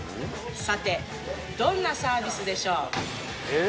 さてどんなサービスでしょう？ええ？